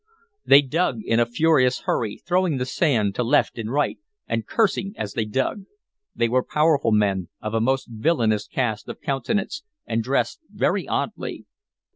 They dug in a furious hurry, throwing the sand to left and right, and cursing as they dug. They were powerful men, of a most villainous cast of countenance, and dressed very oddly.